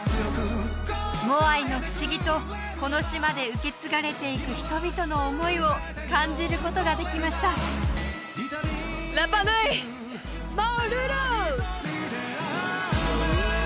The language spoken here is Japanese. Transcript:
モアイの不思議とこの島で受け継がれていく人々の思いを感じることができましたラパ・ヌイマウルル！